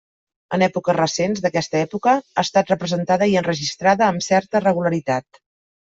En èpoques recents aquesta època ha estat representada i enregistrada amb certa regularitat.